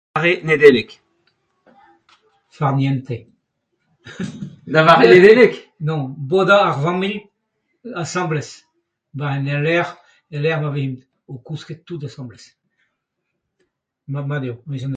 Mare Nedeleg... Farniente.. da vare Nedeleg ?.. nann bodañ a ran me asambles... 'ba en ul lec'h el lec'h ma vez o kousket tout asambles. mat eo.